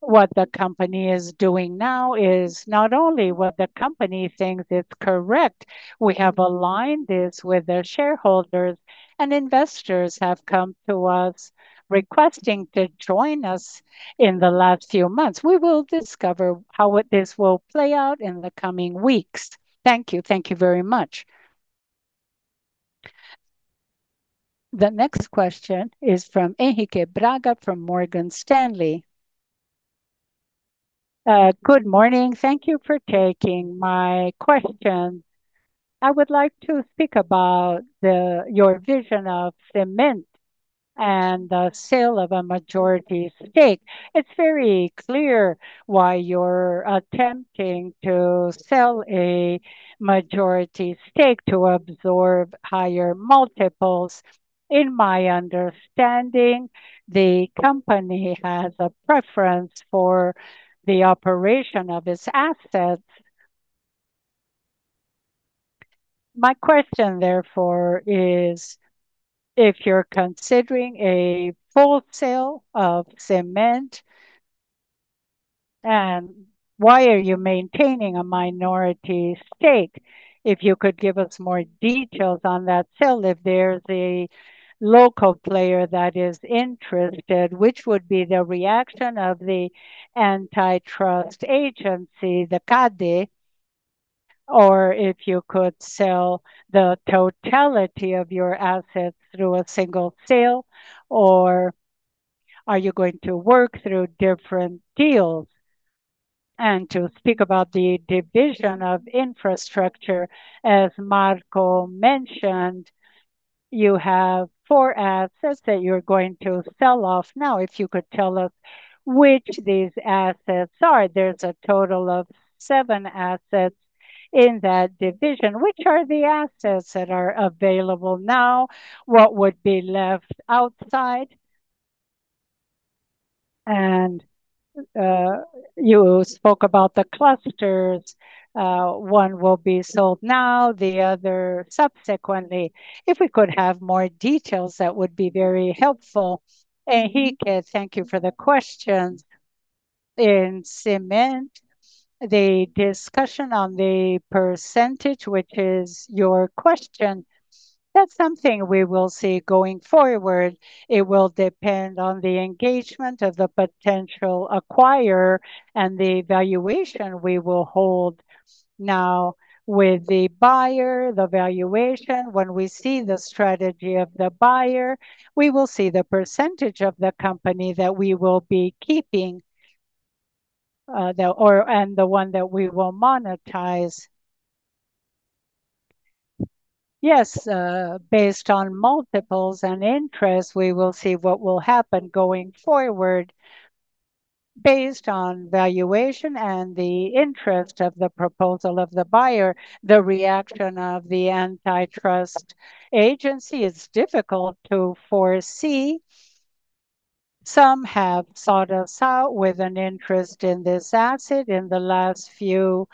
What the company is doing now is not only what the company thinks is correct. We have aligned this with their shareholders. Investors have come to us requesting to join us in the last few months. We will discover how this will play out in the coming weeks. Thank you. Thank you very much. The next question is from Henrique Braga from Morgan Stanley. Good morning. Thank you for taking my question. I would like to speak about your vision of cement and the sale of a majority stake. It's very clear why you're attempting to sell a majority stake to absorb higher multiples. In my understanding, the company has a preference for the operation of its assets. My question, therefore, is if you're considering a full sale of cement, and why are you maintaining a minority stake? If you could give us more details on that sale, if there's a local player that is interested, which would be the reaction of the antitrust agency, the CADE, or if you could sell the totality of your assets through a single sale, or are you going to work through different deals? To speak about the division of infrastructure, as Marcelo mentioned, you have four assets that you're going to sell off. Now, if you could tell us which these assets are, there's a total of seven assets in that division. Which are the assets that are available now? What would be left outside? And you spoke about the clusters. One will be sold now, the other subsequently. If we could have more details, that would be very helpful. Henrique, thank you for the questions. In cement, the discussion on the percentage, which is your question, that's something we will see going forward. It will depend on the engagement of the potential acquirer and the valuation we will hold now with the buyer, the valuation. When we see the strategy of the buyer, we will see the percentage of the company that we will be keeping and the one that we will monetize. Yes, based on multiples and interest, we will see what will happen going forward. Based on valuation and the interest of the proposal of the buyer, the reaction of the antitrust agency is difficult to foresee. Some have sought us out with an interest in this asset in the last few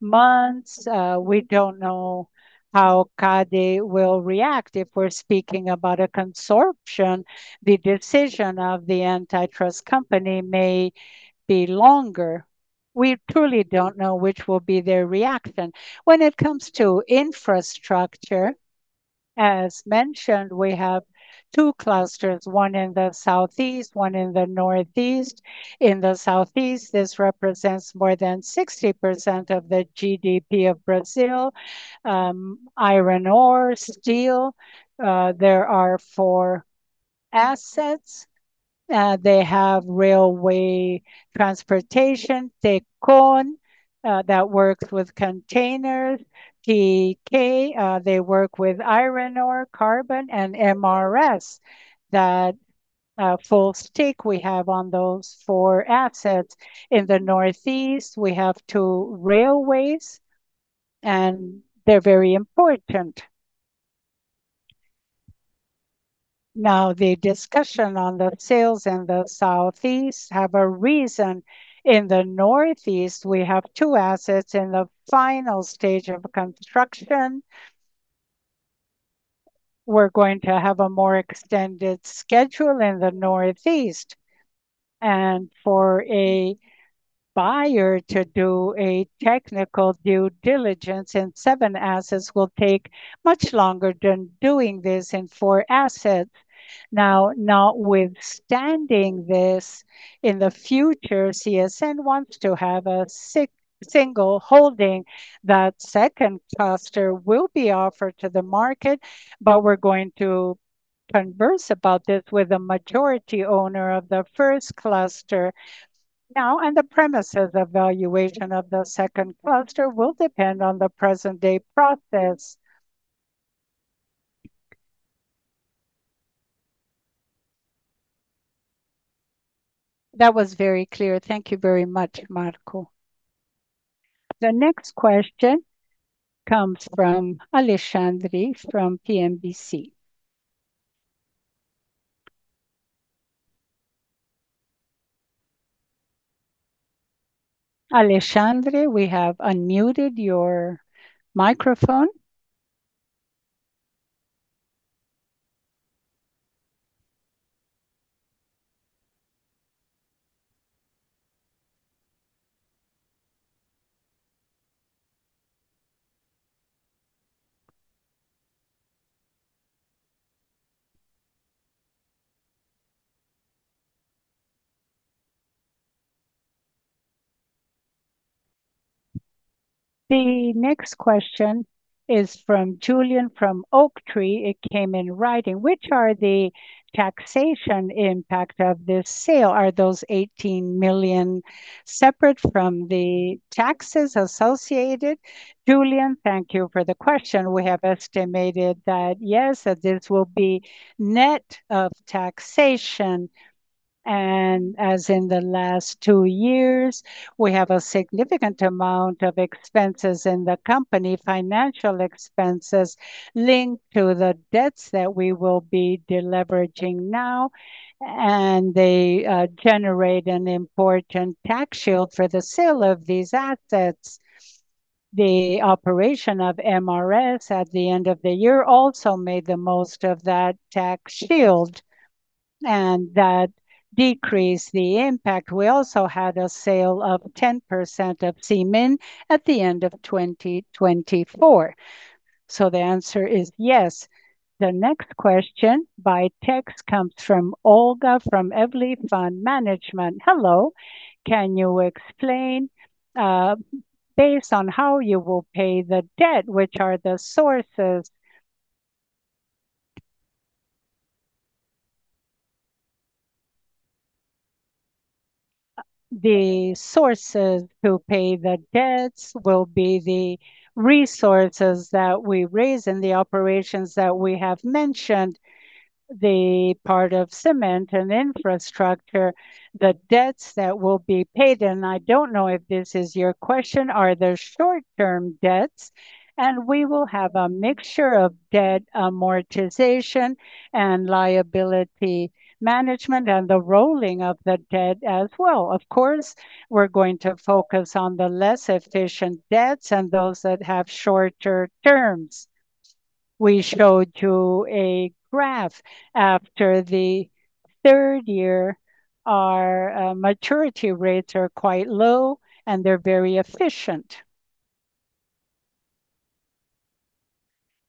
months. We don't know how CADE will react. If we're speaking about a consortium, the decision of the antitrust company may be longer. We truly don't know which will be their reaction. When it comes to infrastructure, as mentioned, we have two clusters, one in the Southeast, one in the Northeast. In the Southeast, this represents more than 60% of the GDP of Brazil. Iron ore, steel, there are four assets. They have railway transportation, Tecon, that works with containers, TEK. They work with iron ore, carbon, and MRS. That full stake we have on those four assets. In the northeast, we have two railways, and they're very important. Now, the discussion on the sales in the southeast has a reason. In the northeast, we have two assets in the final stage of construction. We're going to have a more extended schedule in the northeast, and for a buyer to do a technical due diligence in seven assets will take much longer than doing this in four assets. Now, notwithstanding this, in the future, CSN wants to have a single holding. That second cluster will be offered to the market, but we're going to converse about this with the majority owner of the first cluster. Now, and the premises of valuation of the second cluster will depend on the present-day process. That was very clear. Thank you very much, Marcelo. The next question comes from Alesandri from PNBC. Alesandri, we have unmuted your microphone. The next question is from Julian from Oaktree. It came in writing. Which are the taxation impact of this sale? Are those 18 million separate from the taxes associated? Julian, thank you for the question. We have estimated that, yes, this will be net of taxation. And as in the last two years, we have a significant amount of expenses in the company, financial expenses linked to the debts that we will be deleveraging now. And they generate an important tax shield for the sale of these assets. The operation of MRS at the end of the year also made the most of that tax shield. And that decreased the impact. We also had a sale of 10% of cement at the end of 2024. So the answer is yes. The next question by text comes from Olga from Evli Fund Management. Hello. Can you explain based on how you will pay the debt, which are the sources? The sources who pay the debts will be the resources that we raise in the operations that we have mentioned, the part of cement and infrastructure, the debts that will be paid. And I don't know if this is your question. Are there short-term debts? And we will have a mixture of debt amortization and liability management and the rolling of the debt as well. Of course, we're going to focus on the less efficient debts and those that have shorter terms. We showed you a graph. After the third year, our maturity rates are quite low, and they're very efficient.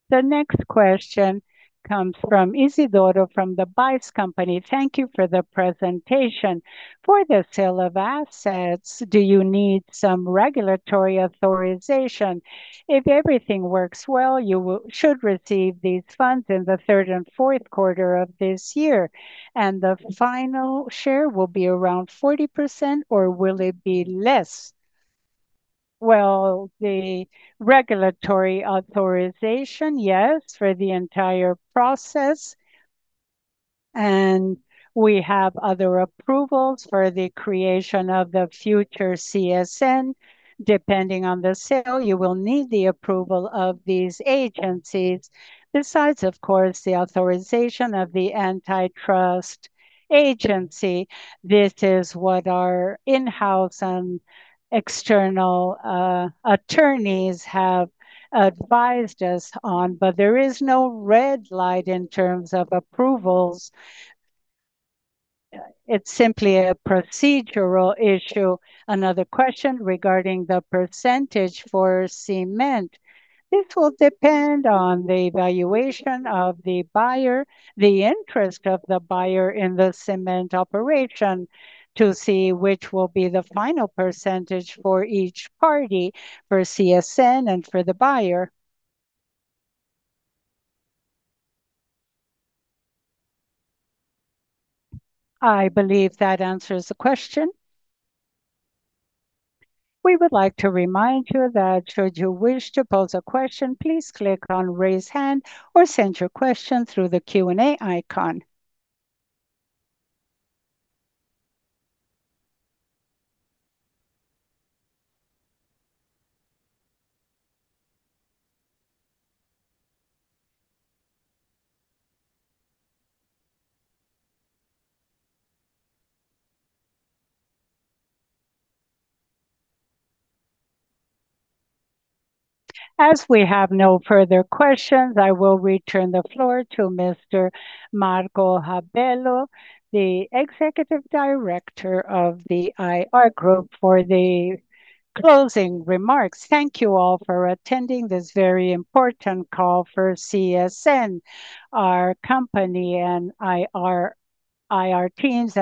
The next question comes from Isidoro from The Bais Company. Thank you for the presentation. For the sale of assets, do you need some regulatory authorization? If everything works well, you should receive these funds in the third and fourth quarter of this year. And the final share will be around 40%, or will it be less? Well, the regulatory authorization, yes, for the entire process. And we have other approvals for the creation of the future CSN. Depending on the sale, you will need the approval of these agencies. Besides, of course, the authorization of the antitrust agency. This is what our in-house and external attorneys have advised us on. But there is no red light in terms of approvals. It's simply a procedural issue. Another question regarding the percentage for cement. This will depend on the valuation of the buyer, the interest of the buyer in the cement operation to see which will be the final percentage for each party, for CSN and for the buyer. I believe that answers the question. We would like to remind you that should you wish to pose a question, please click on raise hand or send your question through the Q&A icon. As we have no further questions, I will return the floor to Mr. Marcelo Ribeiro, the Executive Director of the IR group for the closing remarks. Thank you all for attending this very important call for CSN. Our company and IR teams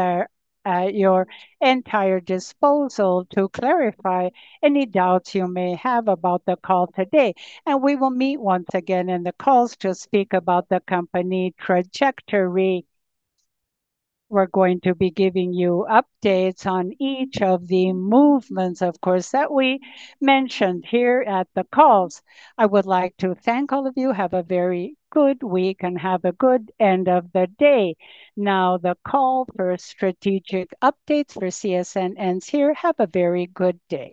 are at your entire disposal to clarify any doubts you may have about the call today, and we will meet once again in the calls to speak about the company trajectory. We're going to be giving you updates on each of the movements, of course, that we mentioned here at the calls. I would like to thank all of you. Have a very good week and have a good end of the day. Now, the call for strategic updates for CSN ends here. Have a very good day.